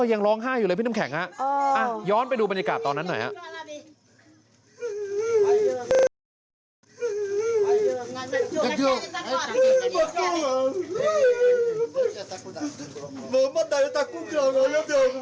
ยังร้องไห้อยู่เลยพี่น้ำแข็งฮะย้อนไปดูบรรยากาศตอนนั้นหน่อยครับ